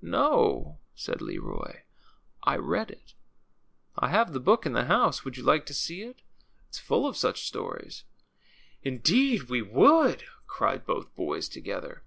No," said Leroy ; I read it. I have the book in^ the house. Would you like to see it ? It's full of such stories." Indeed we would," cried both boys together.